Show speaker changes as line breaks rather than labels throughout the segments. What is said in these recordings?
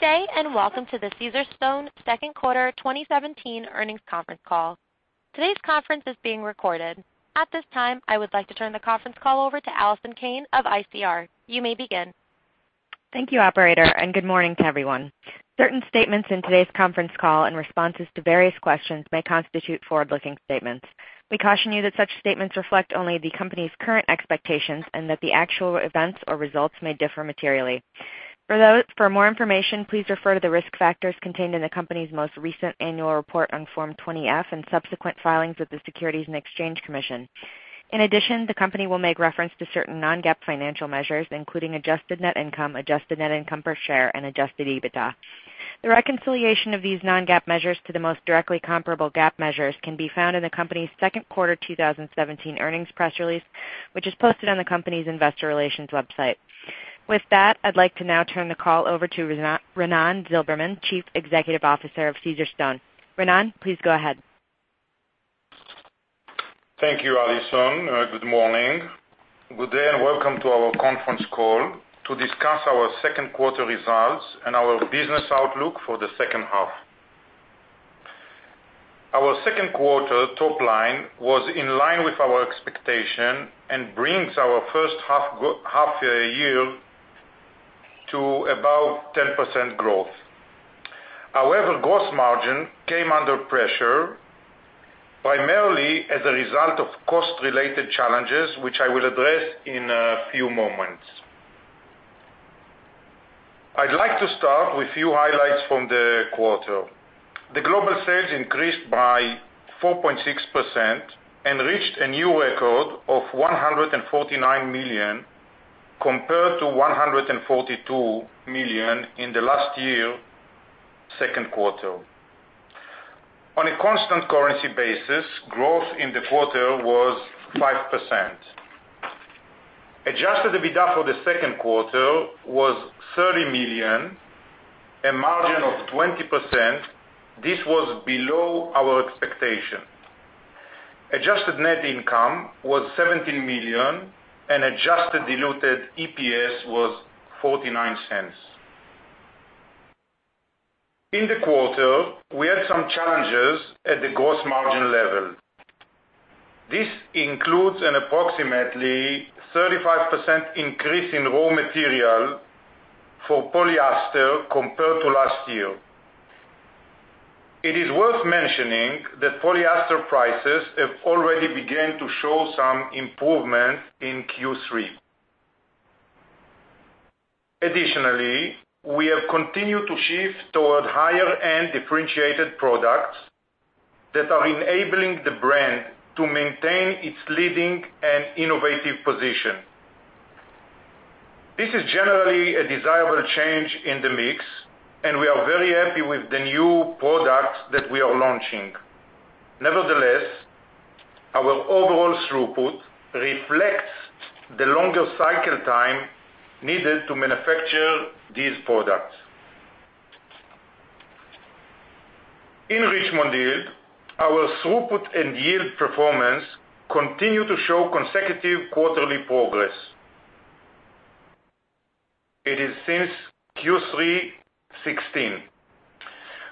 Good day, welcome to the Caesarstone second quarter 2017 earnings conference call. Today's conference is being recorded. At this time, I would like to turn the conference call over to Allison Cain of ICR. You may begin.
Thank you, operator, good morning to everyone. Certain statements in today's conference call and responses to various questions may constitute forward-looking statements. We caution you that such statements reflect only the company's current expectations and that the actual events or results may differ materially. For more information, please refer to the risk factors contained in the company's most recent annual report on Form 20-F and subsequent filings with the Securities and Exchange Commission. In addition, the company will make reference to certain non-GAAP financial measures, including adjusted net income, adjusted net income per share, and adjusted EBITDA. The reconciliation of these non-GAAP measures to the most directly comparable GAAP measures can be found in the company's second quarter 2017 earnings press release, which is posted on the company's investor relations website. With that, I'd like to now turn the call over to Raanan Zilberman, Chief Executive Officer of Caesarstone. Raanan, please go ahead.
Thank you, Allison. Good morning. Good day, welcome to our conference call to discuss our second quarter results and our business outlook for the second half. Our second quarter top line was in line with our expectation and brings our first half year to about 10% growth. However, gross margin came under pressure, primarily as a result of cost-related challenges, which I will address in a few moments. I'd like to start with a few highlights from the quarter. The global sales increased by 4.6% and reached a new record of $149 million, compared to $142 million in the last year second quarter. On a constant currency basis, growth in the quarter was 5%. Adjusted EBITDA for the second quarter was $30 million, a margin of 20%. This was below our expectation. Adjusted net income was $17 million, and adjusted diluted EPS was $0.49. In the quarter, we had some challenges at the gross margin level. This includes an approximately 35% increase in raw material for polyester compared to last year. It is worth mentioning that polyester prices have already begun to show some improvement in Q3. Additionally, we have continued to shift toward higher-end differentiated products that are enabling the brand to maintain its leading and innovative position. This is generally a desirable change in the mix, and we are very happy with the new products that we are launching. Nevertheless, our overall throughput reflects the longer cycle time needed to manufacture these products. In Richmond Hill, our throughput and yield performance continue to show consecutive quarterly progress. It is since Q3 2016.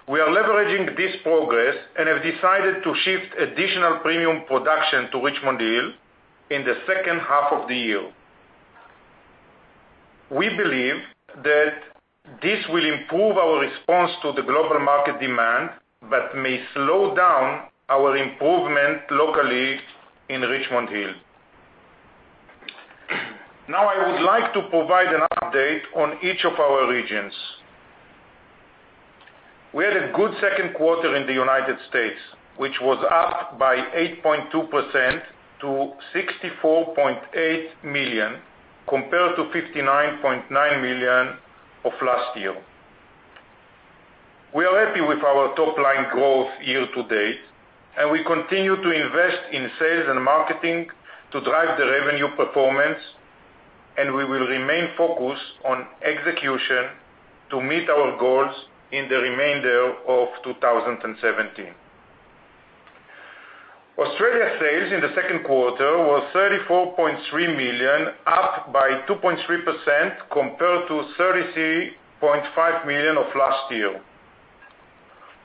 We are leveraging this progress and have decided to shift additional premium production to Richmond Hill in the second half of the year. We believe that this will improve our response to the global market demand but may slow down our improvement locally in Richmond Hill. I would like to provide an update on each of our regions. We had a good second quarter in the U.S., which was up by 8.2% to $64.8 million, compared to $59.9 million of last year. We are happy with our top-line growth year to date, and we continue to invest in sales and marketing to drive the revenue performance. We will remain focused on execution to meet our goals in the remainder of 2017. Australia sales in the second quarter were $34.3 million, up by 2.3%, compared to $33.5 million of last year.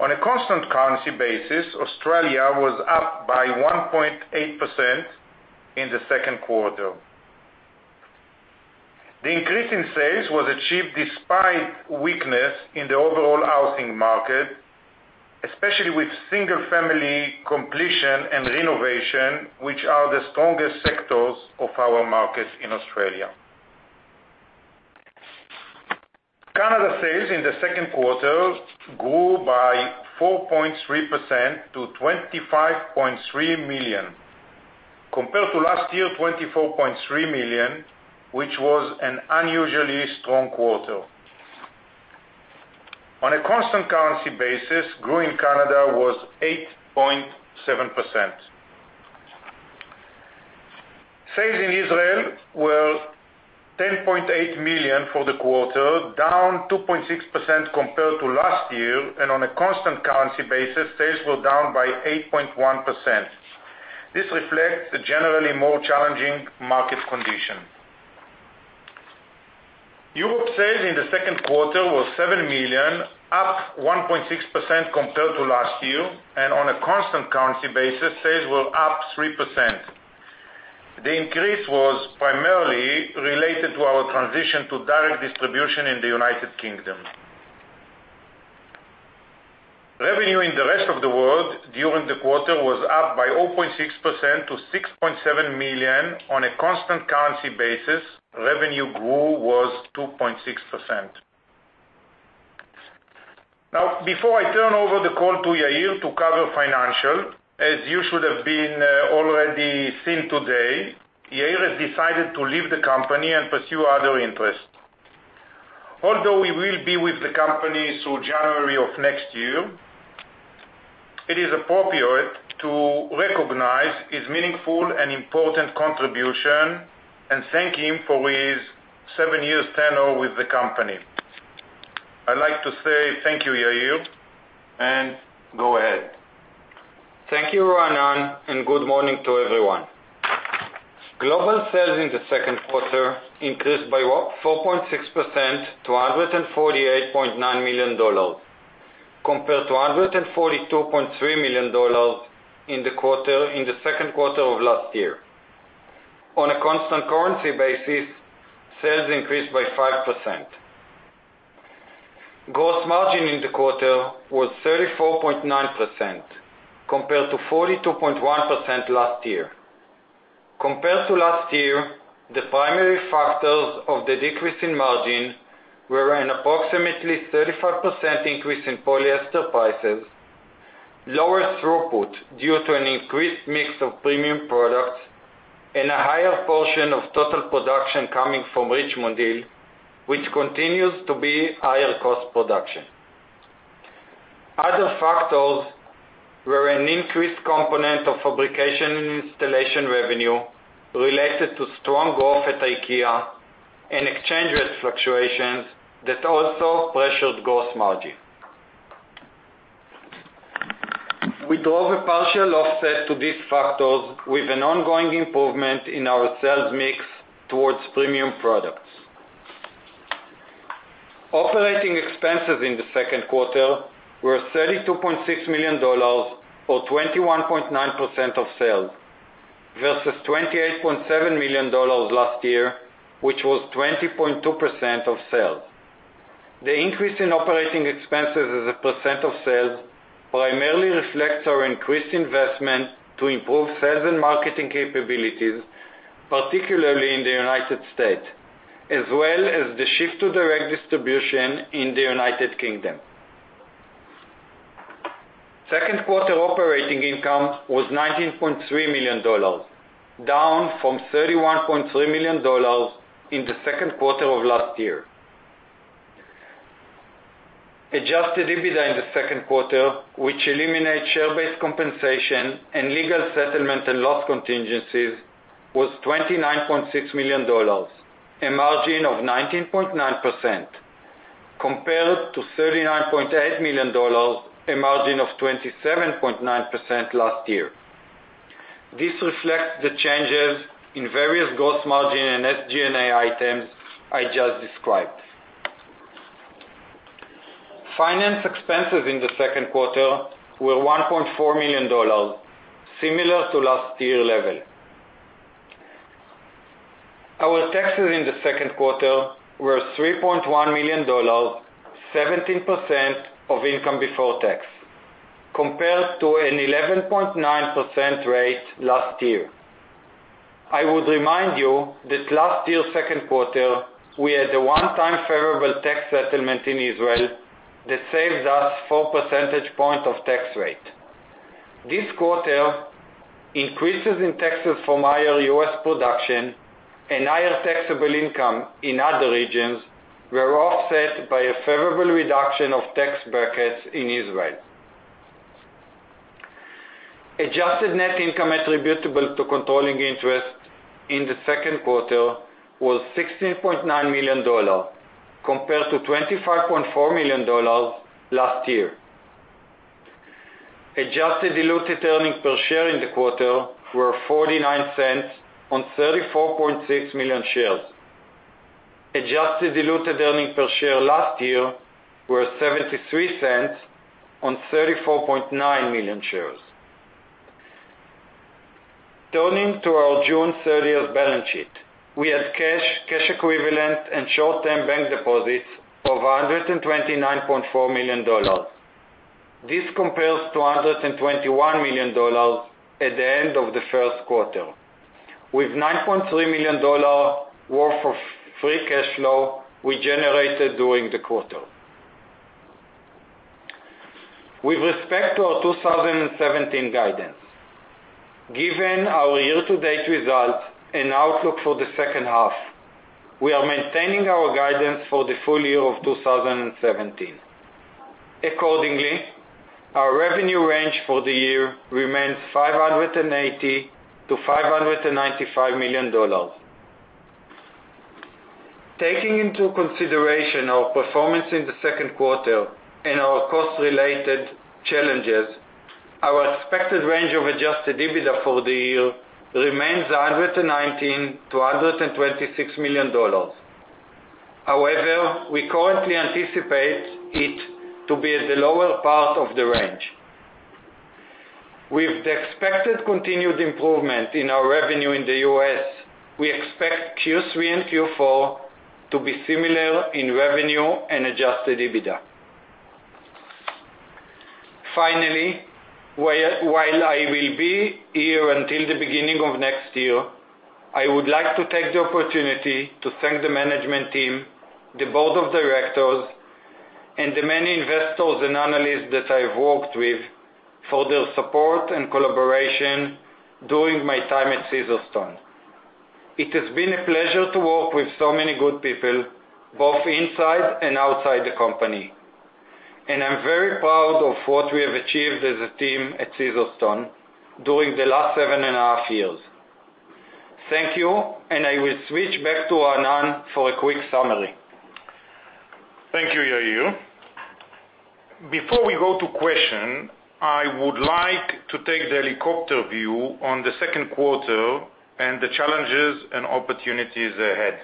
On a constant currency basis, Australia was up by 1.8% in the second quarter. The increase in sales was achieved despite weakness in the overall housing market, especially with single-family completion and renovation, which are the strongest sectors of our markets in Australia. Canada sales in the second quarter grew by 4.3% to $25.3 million, compared to last year, $24.3 million, which was an unusually strong quarter. On a constant currency basis, growing Canada was 8.7%. Sales in Israel were $10.8 million for the quarter, down 2.6% compared to last year. On a constant currency basis, sales were down by 8.1%. This reflects the generally more challenging market condition. Europe sales in the second quarter were $7 million, up 1.6% compared to last year. On a constant currency basis, sales were up 3%. The increase was primarily related to our transition to direct distribution in the U.K. Revenue in the rest of the world during the quarter was up by 0.6% to $6.7 million. On a constant currency basis, revenue grew was 2.6%. Before I turn over the call to Yair to cover financial, as you should have already seen today, Yair has decided to leave the company and pursue other interests. Although he will be with the company through January of next year, it is appropriate to recognize his meaningful and important contribution and thank him for his seven years tenure with the company. I'd like to say thank you, Yair. Go ahead.
Thank you, Raanan, and good morning to everyone. Global sales in the second quarter increased by 4.6% to $148.9 million compared to $142.3 million in the second quarter of last year. On a constant currency basis, sales increased by 5%. Gross margin in the quarter was 34.9% compared to 42.1% last year. Compared to last year, the primary factors of the decrease in margin were an approximately 35% increase in polyester prices, lower throughput due to an increased mix of premium products, and a higher portion of total production coming from Richmond Hill, which continues to be higher cost production. Other factors were an increased component of fabrication and installation revenue related to strong growth at IKEA and exchange rate fluctuations that also pressured gross margin. We drove a partial offset to these factors with an ongoing improvement in our sales mix towards premium products. Operating expenses in the second quarter were $32.6 million, or 21.9% of sales, versus $28.7 million last year, which was 20.2% of sales. The increase in operating expenses as a percent of sales primarily reflects our increased investment to improve sales and marketing capabilities, particularly in the United States, as well as the shift to direct distribution in the United Kingdom. Second quarter operating income was $19.3 million, down from $31.3 million in the second quarter of last year. Adjusted EBITDA in the second quarter, which eliminates share-based compensation and legal settlement and loss contingencies, was $29.6 million, a margin of 19.9%, compared to $39.8 million, a margin of 27.9% last year. This reflects the changes in various gross margin and SG&A items I just described. Finance expenses in the second quarter were $1.4 million, similar to last year level. Our taxes in the second quarter were $3.1 million, 17% of income before tax, compared to an 11.9% rate last year. I would remind you that last year second quarter, we had a one-time favorable tax settlement in Israel that saved us four percentage points of tax rate. This quarter, increases in taxes from higher U.S. production and higher taxable income in other regions were offset by a favorable reduction of tax brackets in Israel. Adjusted net income attributable to controlling interest in the second quarter was $16.9 million, compared to $25.4 million last year. Adjusted diluted earnings per share in the quarter were $0.49 on 34.6 million shares. Adjusted diluted earnings per share last year were $0.73 on 34.9 million shares. Turning to our June 30th balance sheet, we had cash equivalents, and short-term bank deposits of $129.4 million. This compares to $121 million at the end of the first quarter, with $9.3 million worth of free cash flow we generated during the quarter. With respect to our 2017 guidance, given our year-to-date results and outlook for the second half, we are maintaining our guidance for the full year of 2017. Accordingly, our revenue range for the year remains $580 million-$595 million. Taking into consideration our performance in the second quarter and our cost-related challenges, our expected range of adjusted EBITDA for the year remains $119 million-$126 million. However, we currently anticipate it to be at the lower part of the range. With the expected continued improvement in our revenue in the U.S., we expect Q3 and Q4 to be similar in revenue and adjusted EBITDA. Finally, while I will be here until the beginning of next year, I would like to take the opportunity to thank the management team, the board of directors, and the many investors and analysts that I've worked with for their support and collaboration during my time at Caesarstone. It has been a pleasure to work with so many good people, both inside and outside the company, and I'm very proud of what we have achieved as a team at Caesarstone during the last seven and a half years. Thank you, and I will switch back to Raanan for a quick summary.
Thank you, Yair. Before we go to question, I would like to take the helicopter view on the second quarter and the challenges and opportunities ahead.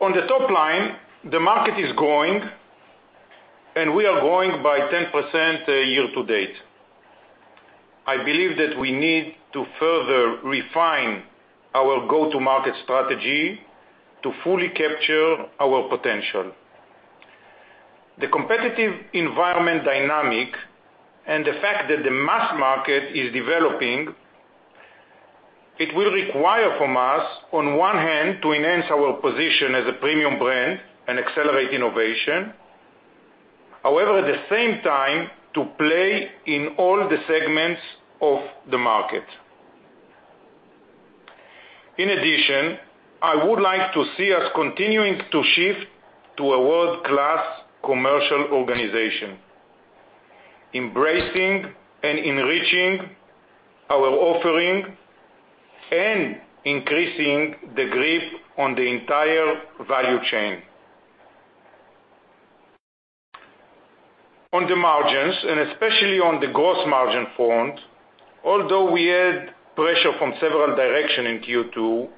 On the top line, the market is growing. We are growing by 10% year to date. I believe that we need to further refine our go-to-market strategy to fully capture our potential. The competitive environment dynamic and the fact that the mass market is developing, it will require from us, on one hand, to enhance our position as a premium brand and accelerate innovation. At the same time, to play in all the segments of the market. I would like to see us continuing to shift to a world-class commercial organization, embracing and enriching our offering, and increasing the grip on the entire value chain. On the margins, and especially on the gross margin front, although we had pressure from several direction in Q2,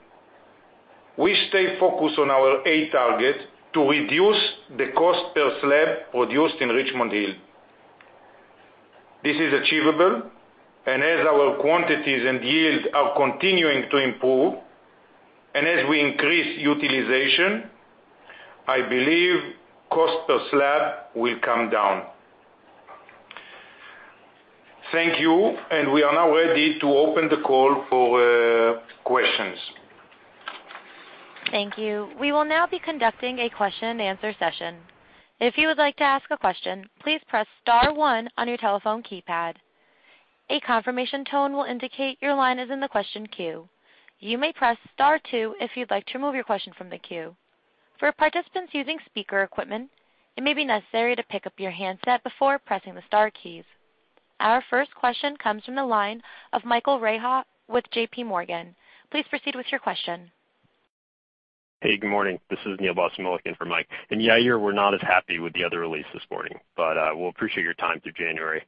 we stay focused on our A target to reduce the cost per slab produced in Richmond Hill. This is achievable. As our quantities and yields are continuing to improve, and as we increase utilization, I believe cost per slab will come down. Thank you, and we are now ready to open the call for questions.
Thank you. We will now be conducting a question and answer session. If you would like to ask a question, please press star one on your telephone keypad. A confirmation tone will indicate your line is in the question queue. You may press star two if you'd like to remove your question from the queue. For participants using speaker equipment, it may be necessary to pick up your handset before pressing the star keys. Our first question comes from the line of Michael Rehaut with JPMorgan. Please proceed with your question.
Hey, good morning. This is Neil Boss Mullican for Michael Rehaut. Yair, we're not as happy with the other release this morning, but, we'll appreciate your time through January.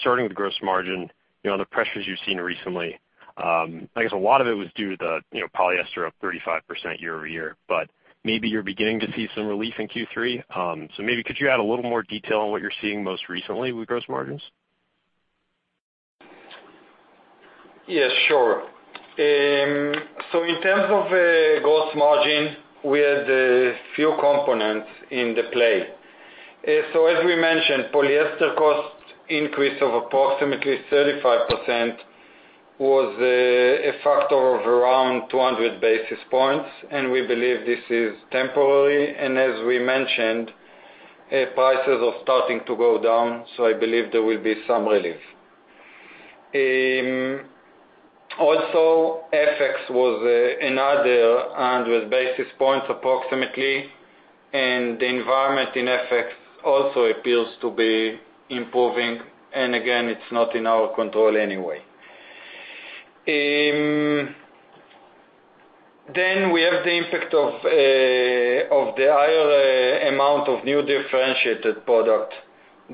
Starting with gross margin, the pressures you've seen recently, a lot of it was due to the polyester up 35% year-over-year, but maybe you're beginning to see some relief in Q3. Maybe could you add a little more detail on what you're seeing most recently with gross margins?
Yes, sure. In terms of gross margin, we had a few components in the play. As we mentioned, polyester cost increase of approximately 35% was a factor of around 200 basis points, and we believe this is temporary. As we mentioned, prices are starting to go down, I believe there will be some relief. FX was another 100 basis points approximately, and the environment in FX also appears to be improving and again, it's not in our control anyway. We have the impact of the higher amount of new differentiated product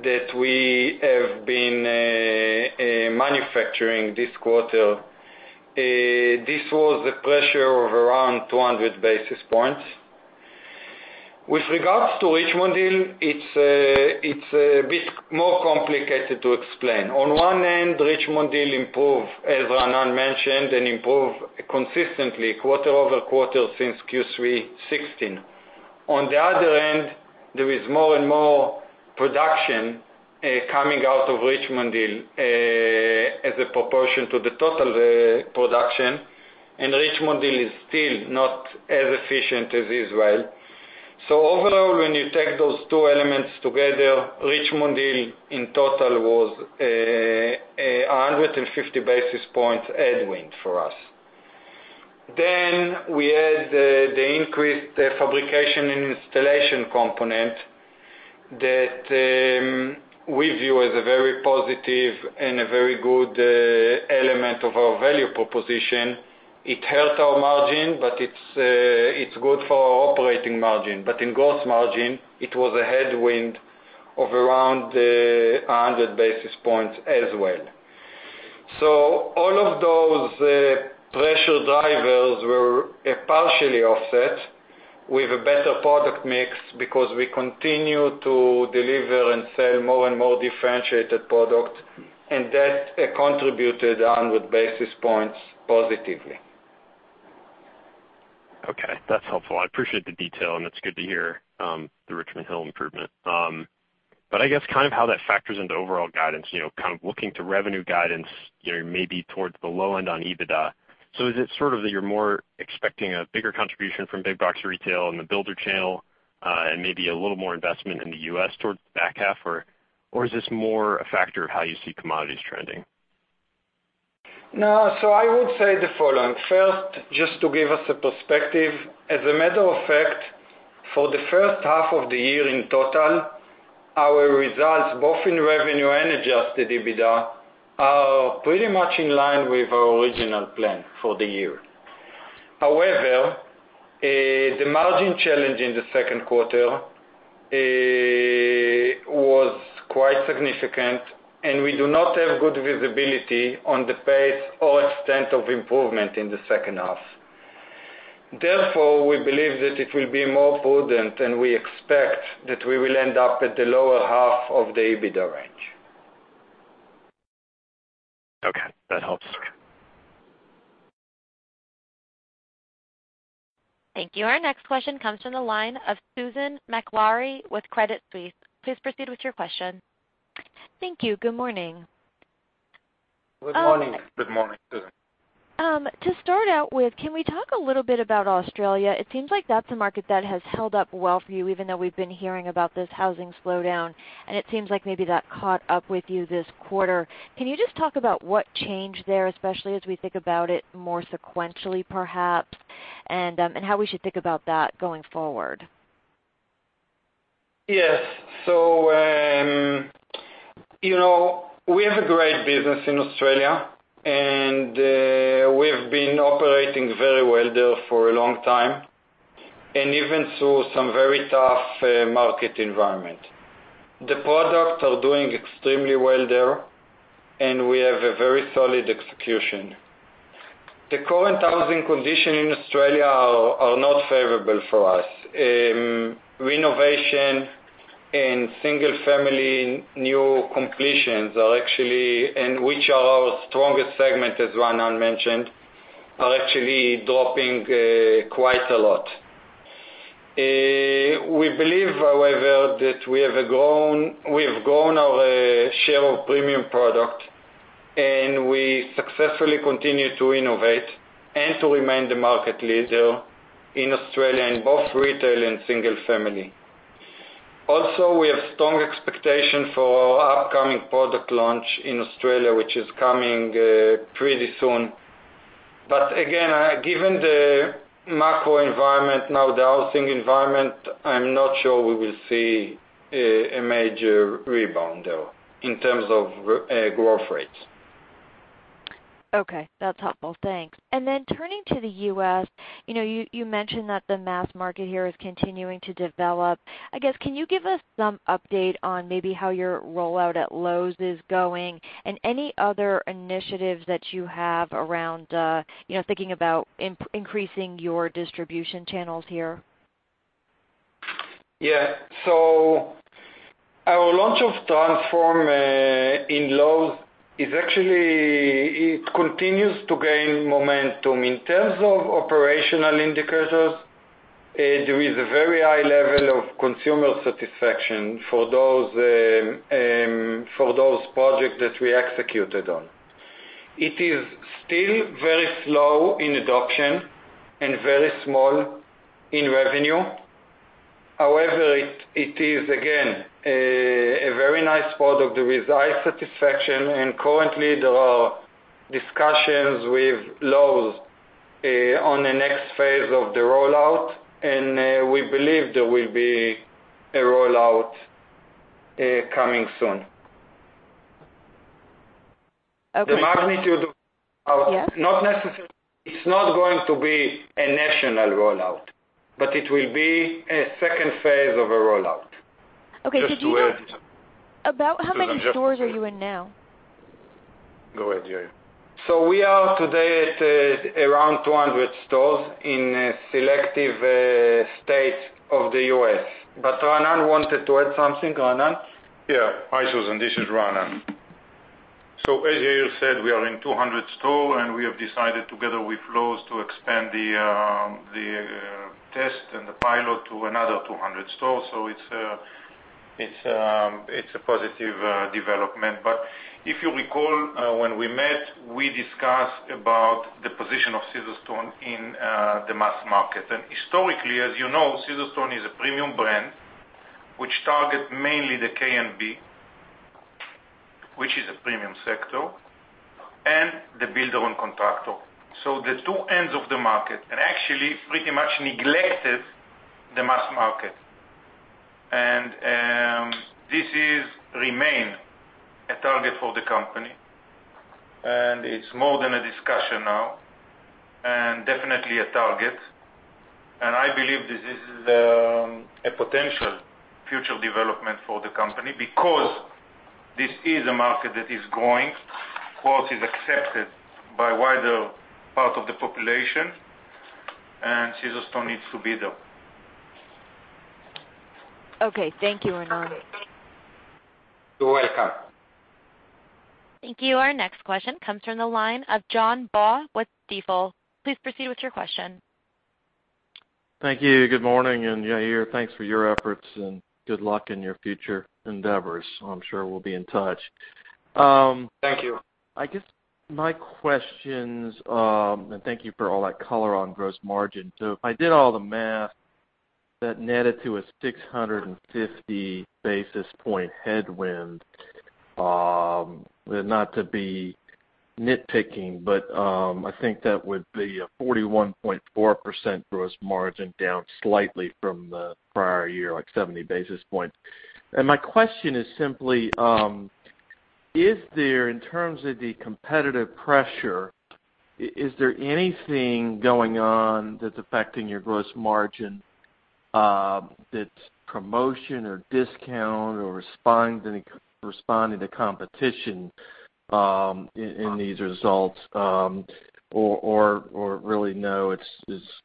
that we have been manufacturing this quarter. This was a pressure of around 200 basis points. With regards to Richmond Hill, it's a bit more complicated to explain. On one end, Richmond Hill improved, as Raanan mentioned, and improved consistently quarter-over-quarter since Q3 2016. There is more and more production coming out of Richmond Hill as a proportion to the total production, and Richmond Hill is still not as efficient as Israel. Overall, when you take those two elements together, Richmond Hill in total was 150 basis points headwind for us. We had the increased fabrication and installation component that we view as a very positive and a very good element of our value proposition. It hurt our margin, but it's good for our operating margin. In gross margin, it was a headwind of around 100 basis points as well. All of those pressure drivers were partially offset with a better product mix because we continue to deliver and sell more and more differentiated product, and that contributed 100 basis points positively.
Okay. That's helpful. I appreciate the detail, and it's good to hear the Richmond Hill improvement. Kind of how that factors into overall guidance, kind of looking to revenue guidance, maybe towards the low end on EBITDA. Is it sort of that you're more expecting a bigger contribution from big box retail and the builder channel, and maybe a little more investment in the U.S. towards the back half, or is this more a factor of how you see commodities trending?
No, I would say the following. First, just to give us a perspective, as a matter of fact, for the first half of the year in total, our results, both in revenue and adjusted EBITDA, are pretty much in line with our original plan for the year. However, the margin challenge in the second quarter was quite significant, and we do not have good visibility on the pace or extent of improvement in the second half. Therefore, we believe that it will be more prudent, and we expect that we will end up at the lower half of the EBITDA range.
Okay. That helps.
Thank you. Our next question comes from the line of Susan Maklari with Credit Suisse. Please proceed with your question.
Thank you. Good morning.
Good morning. Good morning, Susan.
To start out with, can we talk a little bit about Australia? It seems like that's a market that has held up well for you, even though we've been hearing about this housing slowdown, and it seems like maybe that caught up with you this quarter. Can you just talk about what changed there, especially as we think about it more sequentially, perhaps, and how we should think about that going forward?
Yes. We have a great business in Australia, and we've been operating very well there for a long time, and even through some very tough market environment. The products are doing extremely well there, and we have a very solid execution. The current housing condition in Australia are not favorable for us. Renovation and single-family new completions, and which are our strongest segment, as Raanan mentioned, are actually dropping quite a lot. We believe, however, that we have grown our share of premium product, and we successfully continue to innovate and to remain the market leader in Australia in both retail and single family. Also, we have strong expectation for our upcoming product launch in Australia, which is coming pretty soon. Again, given the macro environment now, the housing environment, I'm not sure we will see a major rebound there in terms of growth rates.
Okay, that's helpful. Thanks. Turning to the U.S., you mentioned that the mass market here is continuing to develop. I guess, can you give us some update on maybe how your rollout at Lowe's is going and any other initiatives that you have around thinking about increasing your distribution channels here?
Yeah. Our launch of Transform in Lowe's, it continues to gain momentum. In terms of operational indicators, there is a very high level of consumer satisfaction for those projects that we executed on. It is still very slow in adoption and very small in revenue. However, it is, again, a very nice product. There is high satisfaction, currently, there are discussions with Lowe's on the next phase of the rollout, and we believe there will be a rollout coming soon.
Okay.
The magnitude of-
Yes.
It's not going to be a national rollout, but it will be a phase 2 of a rollout.
Okay. About how many stores are you in now?
Go ahead, Yair.
We are today at around 200 stores in selective states of the U.S. Raanan wanted to add something. Raanan?
Yeah. Hi, Susan. This is Raanan. As Yair said, we are in 200 stores, and we have decided together with Lowe's to expand the test and the pilot to another 200 stores. It's a positive development. If you recall, when we met, we discussed about the position of Caesarstone in the mass market. Historically, as you know, Caesarstone is a premium brand, which targets mainly the K&B, which is a premium sector. The build-around contractor. The two ends of the market, and actually pretty much neglected the mass market. This remains a target for the company, and it's more than a discussion now, and definitely a target. I believe this is a potential future development for the company, because this is a market that is growing. Quartz is accepted by wider part of the population, and Caesarstone needs to be there.
Okay. Thank you, Raanan.
You're welcome.
Thank you. Our next question comes from the line of John Baugh with Stifel. Please proceed with your question.
Thank you. Good morning. Yair, thanks for your efforts, and good luck in your future endeavors. I'm sure we'll be in touch.
Thank you.
I guess my questions. Thank you for all that color on gross margin, too. I did all the math that netted to a 650 basis point headwind. Not to be nitpicking, but, I think that would be a 41.4% gross margin down slightly from the prior year, like 70 basis points. My question is simply, is there, in terms of the competitive pressure, is there anything going on that's affecting your gross margin that's promotion or discount or responding to competition, in these results? Or really no, it's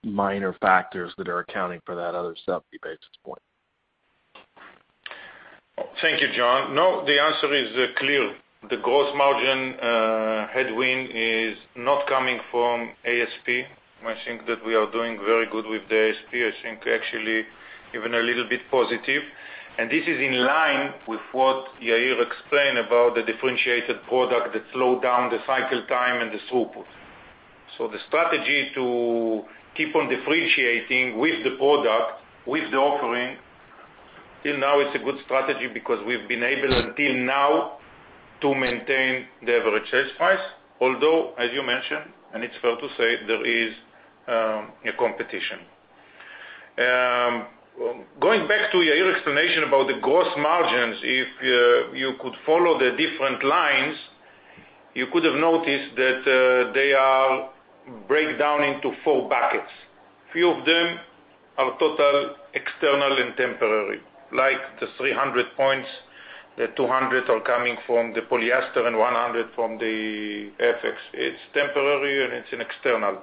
minor factors that are accounting for that other 70 basis point?
Thank you, John. No, the answer is clear. The gross margin headwind is not coming from ASP. I think that we are doing very good with the ASP. I think actually even a little bit positive. This is in line with what Yair explained about the differentiated product that slowed down the cycle time and the throughput. The strategy to keep on differentiating with the product, with the offering, till now is a good strategy because we've been able until now to maintain the average sales price. Although, as you mentioned, and it's fair to say, there is a competition. Going back to your explanation about the gross margins, if you could follow the different lines, you could have noticed that they are breakdown into four buckets. Few of them are total external and temporary, like the 300 points, the 200 are coming from the polyester, and 100 from the FX. It's temporary and it's in external.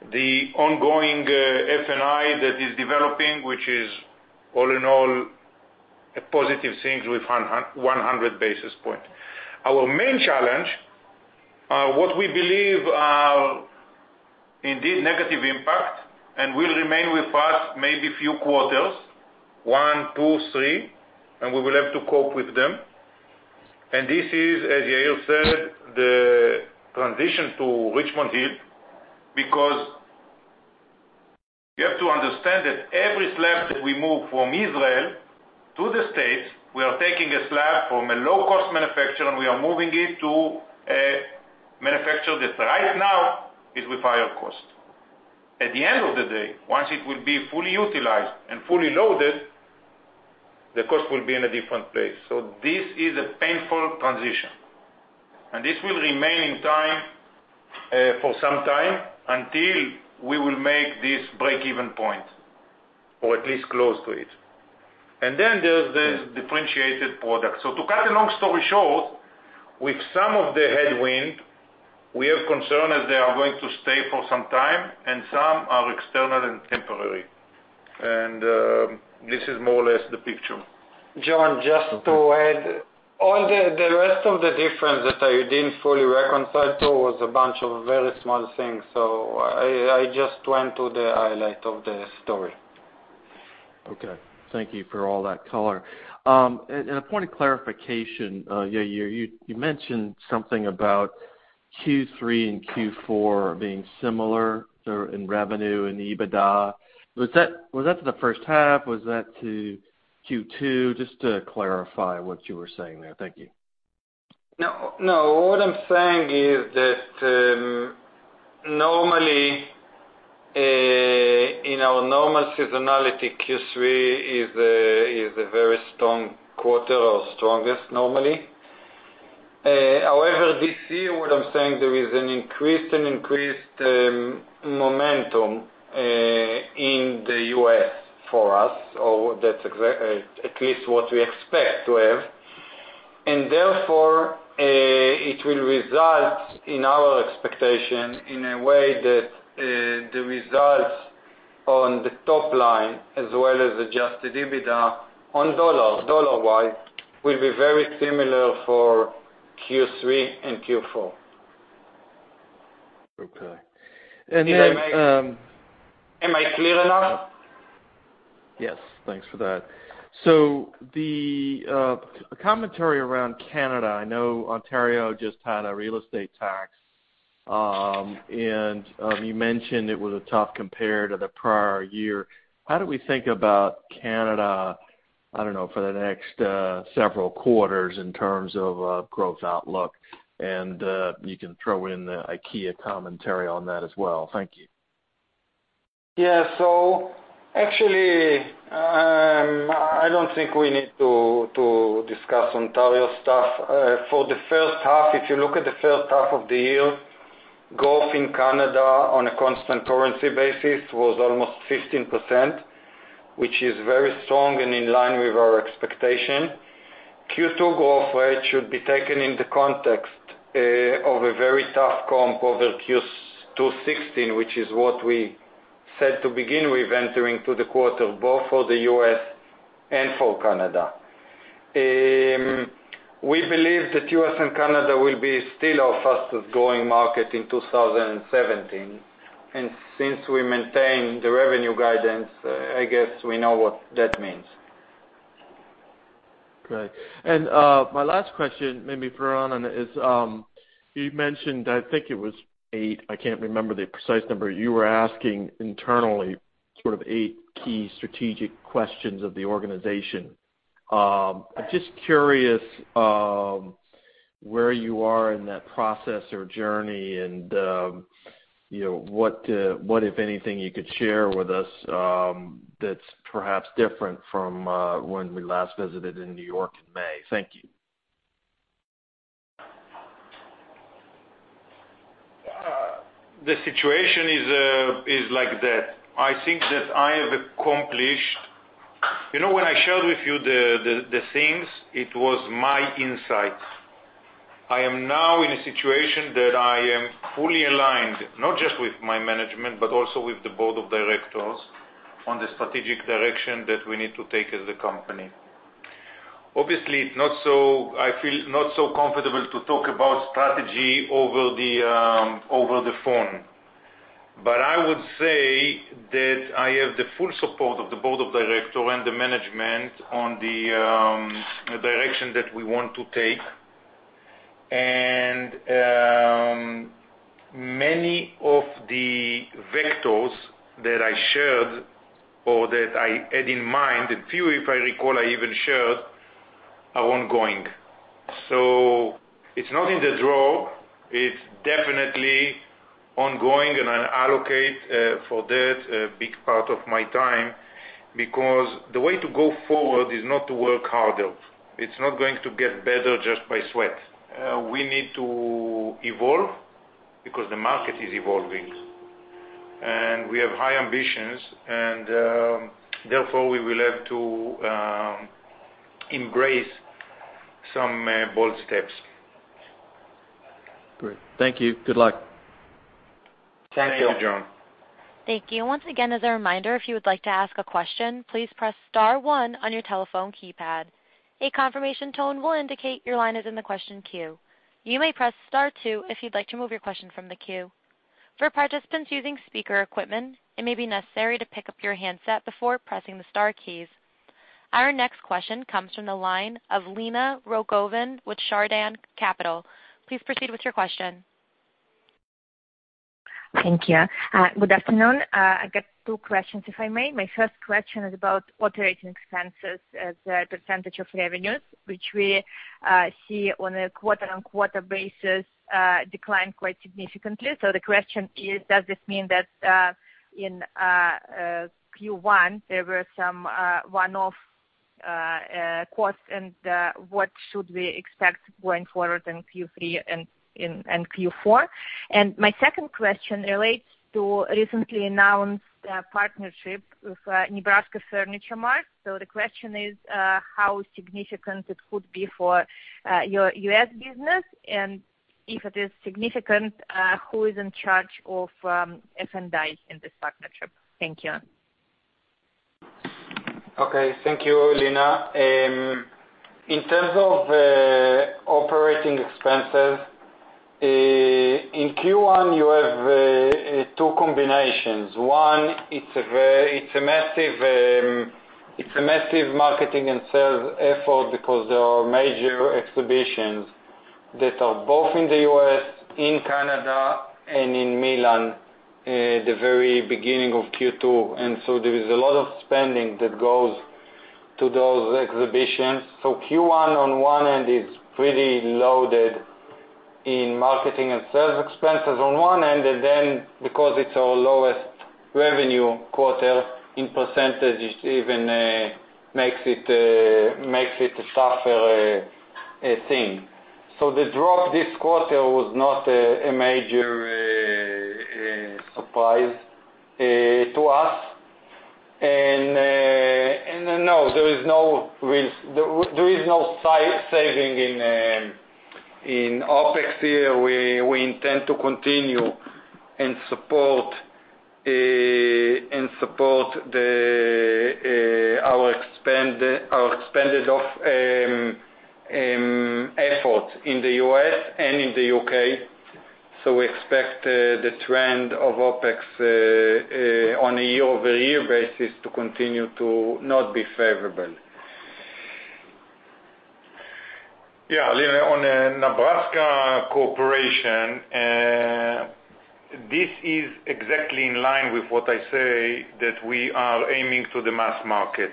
The ongoing FNI that is developing, which is all in all, a positive things with 100 basis point. Our main challenge are what we believe are indeed negative impact and will remain with us maybe few quarters, one, two, three, and we will have to cope with them. This is, as Yair said, the transition to Richmond Hill, because you have to understand that every slab that we move from Israel to the U.S., we are taking a slab from a low-cost manufacturer, and we are moving it to a manufacturer that right now is with higher cost. At the end of the day, once it will be fully utilized and fully loaded, the cost will be in a different place. This is a painful transition. This will remain in time, for some time, until we will make this break-even point, or at least close to it. Then there's the differentiated product. To cut a long story short, with some of the headwind, we have concern as they are going to stay for some time, and some are external and temporary. This is more or less the picture. John, just to add, all the rest of the difference that I didn't fully reconcile to was a bunch of very small things. I just went to the highlight of the story.
Okay. Thank you for all that color. A point of clarification, Yair, you mentioned something about Q3 and Q4 being similar in revenue and EBITDA. Was that to the first half? Was that to Q2? Just to clarify what you were saying there. Thank you.
What I'm saying is that, normally, in our normal seasonality, Q3 is a very strong quarter or strongest normally. However, this year, what I'm saying, there is an increased momentum in the U.S. for us, or that's at least what we expect to have. Therefore, it will result in our expectation in a way that the results on the top line as well as adjusted EBITDA on dollar-wise, will be very similar for Q3 and Q4.
Okay. then.
Am I clear enough?
Yes. Thanks for that. The commentary around Canada, I know Ontario just had a real estate tax you mentioned it was a tough compare to the prior year. How do we think about Canada, I don't know, for the next several quarters in terms of growth outlook? You can throw in the IKEA commentary on that as well. Thank you.
Yeah. Actually, I don't think we need to discuss Ontario stuff. For the first half, if you look at the first half of the year, growth in Canada on a constant currency basis was almost 15%, which is very strong and in line with our expectation. Q2 growth rate should be taken in the context of a very tough comp over Q2 2016, which is what we said to begin with, entering to the quarter, both for the U.S. and for Canada. We believe that U.S. and Canada will be still our fastest-growing market in 2017. Since we maintain the revenue guidance, I guess we know what that means.
Great. My last question, maybe for Raanan, is, you mentioned, I think it was eight, I can't remember the precise number. You were asking internally sort of eight key strategic questions of the organization. I'm just curious where you are in that process or journey and what, if anything, you could share with us, that's perhaps different from when we last visited in New York in May. Thank you.
The situation is like that. I think that I have accomplished. When I shared with you the things, it was my insight. I am now in a situation that I am fully aligned, not just with my management, but also with the Board of Directors, on the strategic direction that we need to take as a company. Obviously, I feel not so comfortable to talk about strategy over the phone. I would say that I have the full support of the Board of Directors and the management on the direction that we want to take. Many of the vectors that I shared or that I had in mind, a few, if I recall, I even shared, are ongoing. It's not in the drawer. It's definitely ongoing, and I allocate for that a big part of my time, because the way to go forward is not to work harder. It's not going to get better just by sweat. We need to evolve because the market is evolving. We have high ambitions, and, therefore, we will have to embrace some bold steps.
Great. Thank you. Good luck.
Thank you, John.
Thank you. Once again, as a reminder, if you would like to ask a question, please press star one on your telephone keypad. A confirmation tone will indicate your line is in the question queue. You may press star two if you'd like to remove your question from the queue. For participants using speaker equipment, it may be necessary to pick up your handset before pressing the star keys. Our next question comes from the line of Lena Rogovin with Chardan Capital. Please proceed with your question.
Thank you. Good afternoon. I got two questions, if I may. My first question is about operating expenses as a percentage of revenues, which we see on a quarter-on-quarter basis, decline quite significantly. The question is, does this mean that in Q1, there were some one-off costs, and what should we expect going forward in Q3 and Q4? My second question relates to recently announced partnership with Nebraska Furniture Mart. The question is, how significant it could be for your U.S. business? If it is significant, who is in charge of F&I in this partnership? Thank you.
Okay. Thank you, Lena. In terms of operating expenses, in Q1, you have two combinations. One, it's a massive marketing and sales effort because there are major exhibitions that are both in the U.S., in Canada, and in Milan, at the very beginning of Q2. There is a lot of spending that goes to those exhibitions. Q1 on one end is pretty loaded in marketing and sales expenses on one end, and then because it's our lowest revenue quarter in percentage, it even makes it a tougher thing. The drop this quarter was not a major surprise to us. No, there is no saving in OpEx here. We intend to continue and support our expanded efforts in the U.S. and in the U.K. We expect the trend of OpEx on a year-over-year basis to continue to not be favorable.
Yeah, Lena, on Nebraska Furniture Mart, this is exactly in line with what I say that we are aiming to the mass market.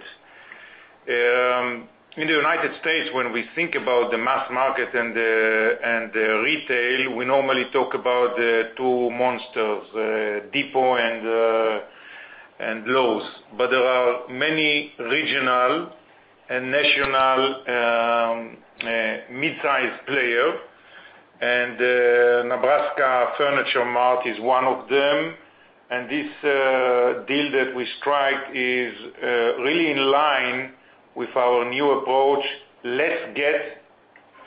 In the United States, when we think about the mass market and the retail, we normally talk about the two monsters, Depot and Lowe's. There are many regional and national mid-size player, and Nebraska Furniture Mart is one of them. This deal that we strike is really in line with our new approach. Let's get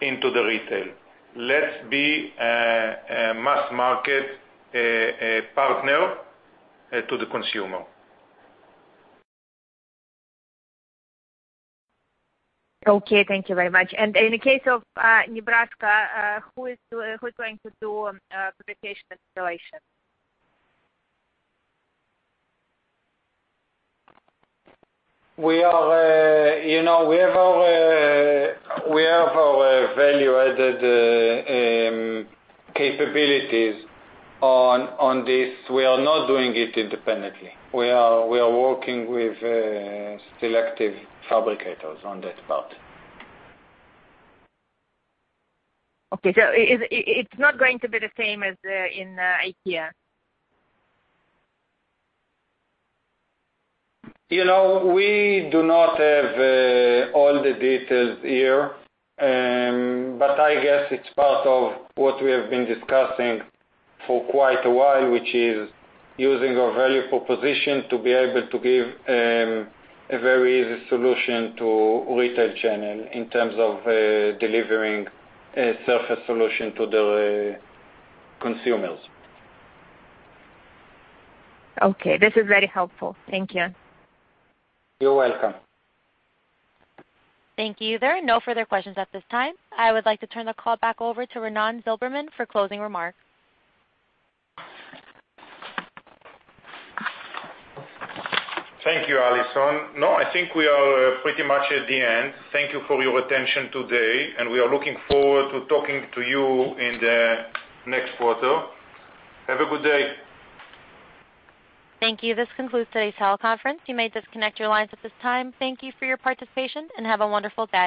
into the retail. Let's be a mass market partner to the consumer.
Okay, thank you very much. In the case of Nebraska, who is going to do fabrication installation?
We have our value-added capabilities on this. We are not doing it independently. We are working with selective fabricators on that part.
Okay, it's not going to be the same as in IKEA.
We do not have all the details here, but I guess it's part of what we have been discussing for quite a while, which is using our value proposition to be able to give a very easy solution to retail channel in terms of delivering a surface solution to the consumers.
Okay, this is very helpful. Thank you.
You're welcome.
Thank you. There are no further questions at this time. I would like to turn the call back over to Raanan Zilberman for closing remarks.
Thank you, Allison. I think we are pretty much at the end. Thank you for your attention today. We are looking forward to talking to you in the next quarter. Have a good day.
Thank you. This concludes today's teleconference. You may disconnect your lines at this time. Thank you for your participation. Have a wonderful day.